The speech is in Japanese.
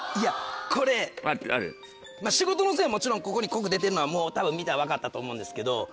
これまぁ仕事の線はもちろんここに濃く出てんのはもうたぶん見たら分かったと思うんですけど。